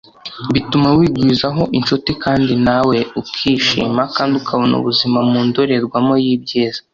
bituma wigwizaho inshuti kandi nawe ukishima kandi ukabona ubuzima mu ndorerwamo y’ibyiza